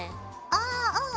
ああうん。